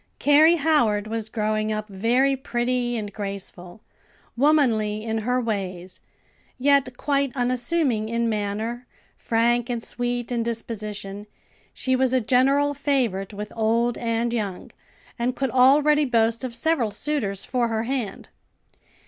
Carrie Howard was growing up very pretty and graceful; womanly in her ways, yet quite unassuming in manner, frank and sweet in disposition, she was a general favorite with old and young, and could already boast of several suitors for her hand.